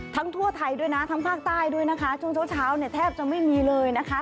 ทั่วไทยด้วยนะทั้งภาคใต้ด้วยนะคะช่วงเช้าเช้าเนี่ยแทบจะไม่มีเลยนะคะ